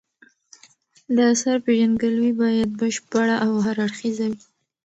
د اثر پېژندګلوي باید بشپړه او هر اړخیزه وي.